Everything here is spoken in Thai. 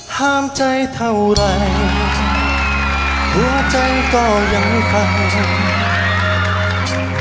ห้ามใจเท่าไหร่หัวใจก็ยังเข้า